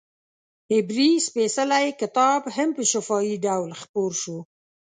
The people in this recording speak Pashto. عبري سپېڅلی کتاب هم په شفاهي ډول خپور شو.